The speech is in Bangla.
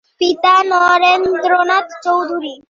পিতা নরেন্দ্রনাথ চৌধুরী।